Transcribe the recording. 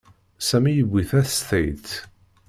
Sami yewwi tastaɣt.